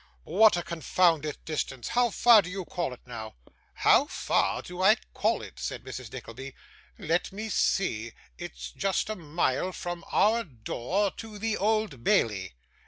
'What a confounded distance! How far do you call it now?' 'How far do I call it?' said Mrs. Nickleby. 'Let me see. It's just a mile from our door to the Old Bailey.